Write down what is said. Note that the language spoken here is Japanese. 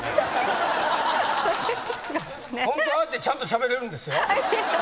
ホントはああやってちゃんとしゃべれるんですよ。